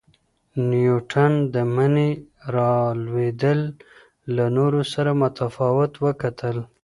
نیوټن د مڼې را لویدل له نورو سره متفاوت وکتل.